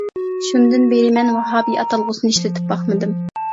شۇندىن بېرى مەن ۋاھابىي ئاتالغۇسىنى ئىشلىتىپ باقمىدىم.